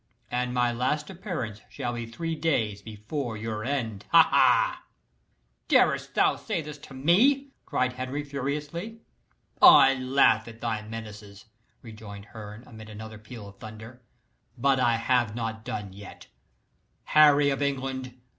And my last appearance shall he three days before your end ha! ha!" "Darest thou say this to me!" cried Henry furiously. "I laugh at thy menaces," rejoined Herne, amid another peal of thunder "but I have not yet done. Harry of England!